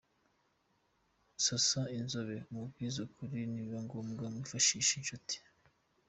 sasa inzobe umubwize ukuri nibiba ngombwa wifashishe inshuti.